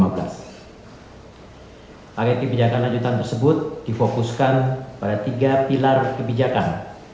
target kebijakan lanjutan tersebut difokuskan pada tiga pilar kebijakan